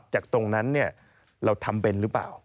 จากตรงนั้นเราทำเป็นหรือเปล่า